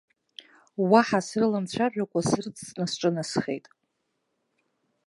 Уаҳа срыламцәажәакәа срыдҵны сҿынасхеит.